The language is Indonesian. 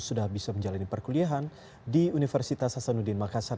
sudah bisa menjalani perkuliahan di universitas hasanuddin makassar